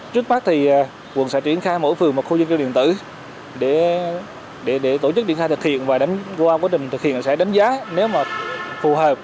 trước mắt thì quận sẽ triển khai mỗi phường một khu dân cư điện tử để tổ chức điện khai thực hiện và qua quá trình thực hiện sẽ đánh giá nếu mà phù hợp